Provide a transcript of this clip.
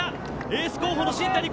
エース候補の新谷紘ノ